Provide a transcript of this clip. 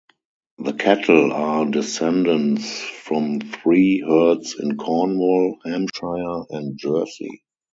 The cattle are descendants from three herds in Cornwall, Hampshire and Jersey.